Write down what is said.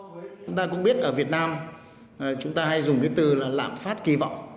chúng ta cũng biết ở việt nam chúng ta hay dùng cái từ là lạm phát kỳ vọng